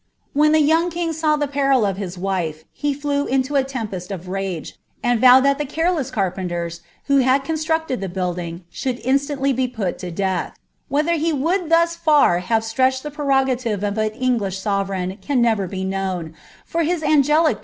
When the youiig king saw the Ilia wife, he flew into a tempest of rage, and vowed that the carpenters^ who had constructed the building, should instantly e death. Whether he wotild thus far have stretched the pre I of an English sovereign can never be known, for his aneclic